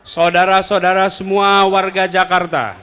saudara saudara semua warga jakarta